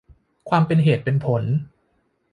ความเป็นเหตุเป็นผล